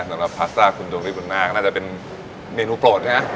สำหรับพาสต้าคุณดวงฤทบุญนาคน่าจะเป็นเมนูโปรดใช่ไหม